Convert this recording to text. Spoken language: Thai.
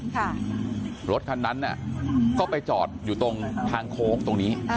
ค่ะรถคันนั้นน่ะก็ไปจอดอยู่ตรงทางโค้งตรงนี้